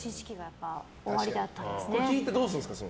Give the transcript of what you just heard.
それ聞いてどうするんですか。